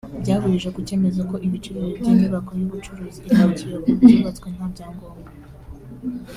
byahurije ku cyemezo ko ibice bibiri by’inyubako y’ubucuruzi iri mu Kiyovu byubatswe nta byangombwa